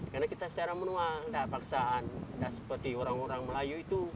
karena kita secara menua tidak paksaan tidak seperti orang orang melayu itu